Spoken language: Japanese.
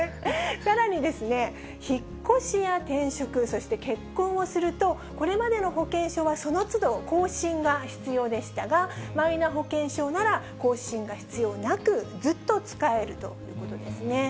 さらにですね、引っ越しや転職、そして結婚をすると、これまでの保険証はそのつど更新が必要でしたが、マイナ保険証なら更新が必要なく、ずっと使えるということですね。